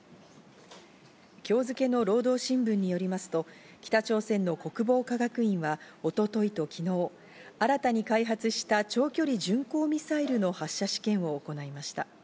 今日付の労働新聞によりますと北朝鮮の国防科学院は一昨日と昨日、新たに開発した長距離巡航ミサイルの発射試験を行いました。